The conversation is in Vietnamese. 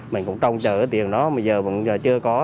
mình cũng trông chờ cái tiền đó mà giờ vẫn chưa có